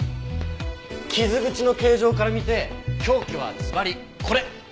傷口の形状から見て凶器はズバリこれ。